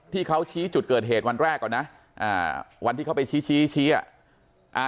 ที่เขาชี้จุดเกิดเหตุวันแรกก่อนนะอ่าวันที่เขาไปชี้ชี้อ่ะ